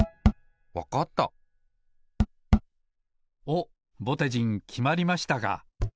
おっぼてじんきまりましたか。